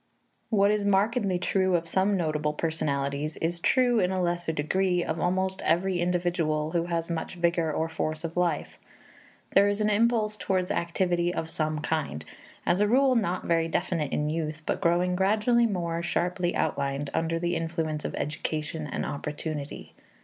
What is markedly true of some notable personalities is true, in a lesser degree, of almost every individual who has much vigor or force of life; there is an impulse towards activity of some kind, as a rule not very definite in youth, but growing gradually more sharply outlined under the influence of education and opportunity.